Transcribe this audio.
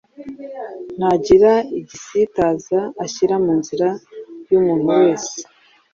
ntagire igisitaza ashyira mu nzira y’umuntu wese,